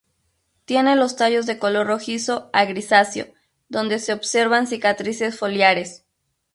Tiene los tallos de color rojizo a grisáceo, donde se observan cicatrices foliares.